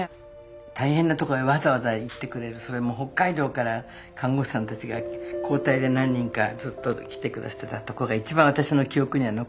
大変なとこへわざわざ行ってくれるそれも北海道から看護師さんたちが交代で何人かずっと来て下さってたとこが一番私の記憶には残ってるもんで。